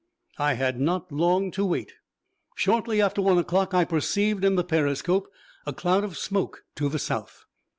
I had not long to wait. Shortly after one o'clock I perceived in the periscope a cloud of smoke to the south.